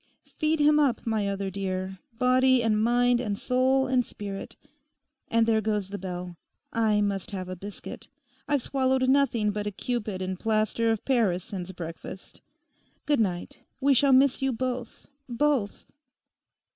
Feed him up, my other dear; body and mind and soul and spirit. And there goes the bell. I must have a biscuit. I've swallowed nothing but a Cupid in plaster of Paris since breakfast. Goodnight; we shall miss you both—both.